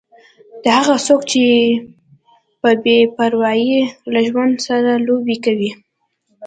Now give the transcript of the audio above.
ته هغه څوک یې چې په بې پروايي له ژوند سره لوبې کوې.